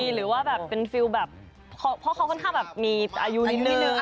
หรือว่าเป็นฟีลแบบเขาก็ค่อนข้างมีอายุนินึง